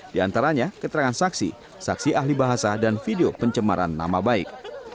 di antaranya keterangan saksi saksi ahli bahasa dan video pencemaran nama baik